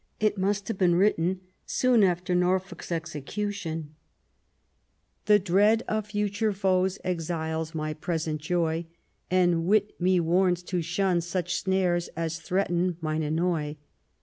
It must have been written soon after Norfolk's execution :— The dread of future foes exiles my present joy, And wit me warns to shun such snares as threaten mine annoy.